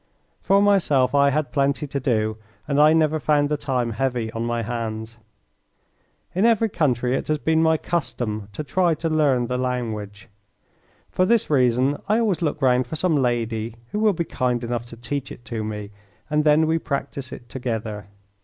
For myself I had plenty to do, and I never found the time heavy on my hands. In every country it has been my custom to try to learn the language. For this reason I always look round for some lady who will be kind enough to teach it to me, and then we practise it together.